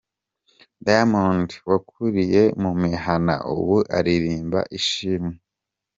Diamond wakuriye mu mihana ubu araririmba ishimwe